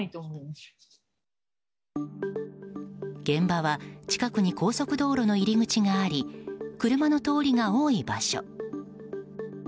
現場は近くに高速道路の入り口があり車の通りが多い場所。